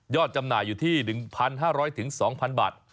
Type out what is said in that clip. จำหน่ายอยู่ที่๑๕๐๐๒๐๐บาท